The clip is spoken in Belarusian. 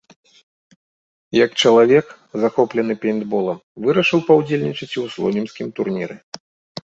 Як чалавек, захоплены пейнтболам, вырашыў паўдзельнічаць і ў слонімскім турніры.